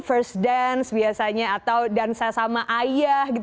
first dance biasanya atau dansa sama ayah gitu